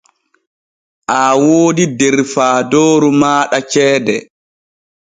Aa woodi der faadooru maaɗa ceede.